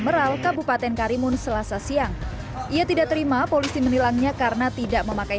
meral kabupaten karimun selasa siang ia tidak terima polisi menilangnya karena tidak memakai